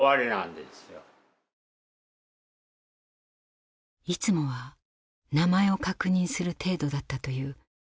いつもは名前を確認する程度だったという入国手続き。